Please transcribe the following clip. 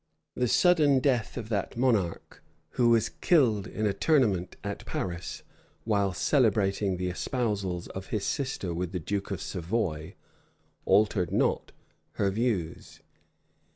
The sudden death of that monarch, who was killed in a tournament at Paris, while celebrating the espousals of his sister with the duke of Savoy, altered not her views.